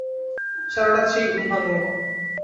সারারাত সেই ঘুম ভাঙল না।